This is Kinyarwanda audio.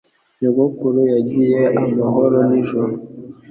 Nyogokuru yagiye amahoro nijoro.